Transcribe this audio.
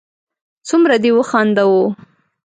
څومره دې و خنداوه